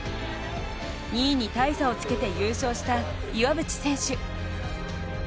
２位に大差をつけて優勝した岩渕選手。